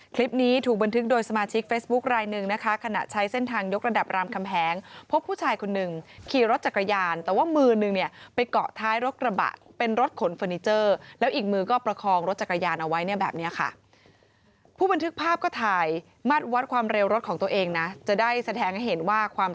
คลิปนี้ถูกบันทึกโดยสมาชิกเฟซบุ๊คลายหนึ่งนะคะขณะใช้เส้นทางยกระดับรามคำแหงพบผู้ชายคนหนึ่งขี่รถจักรยานแต่ว่ามือนึงเนี่ยไปเกาะท้ายรถกระบะเป็นรถขนเฟอร์นิเจอร์แล้วอีกมือก็ประคองรถจักรยานเอาไว้เนี่ยแบบเนี้ยค่ะผู้บันทึกภาพก็ถ่ายมัดวัดความเร็วรถของตัวเองนะจะได้แสดงให้เห็นว่าความ